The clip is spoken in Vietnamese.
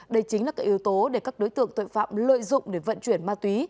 đây chính là các yếu tố để các đối tượng tội phạm lợi dụng để vận chuyển ma túy